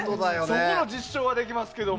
そこの実証はできますけど。